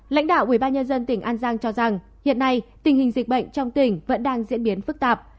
lãnh đạo ubnd tỉnh an giang cho rằng hiện nay tình hình dịch bệnh trong tỉnh vẫn đang diễn biến phức tạp